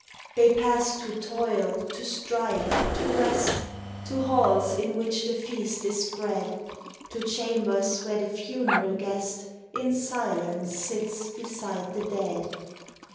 They pass to toil, to strife, to rest — To halls in which the feast is spread — To chambers where the funeral guest In silence sits beside the dead.